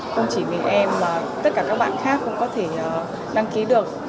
không chỉ vì em mà tất cả các bạn khác cũng có thể đăng ký được